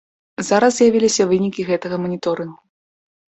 Зараз з'явіліся вынікі гэтага маніторынгу.